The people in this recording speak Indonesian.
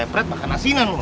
keperet makan asinan lo